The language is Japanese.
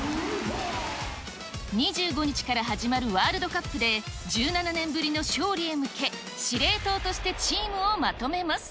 ２５日から始まるワールドカップで、１７年ぶりの勝利へ向け、司令塔としてチームをまとめます。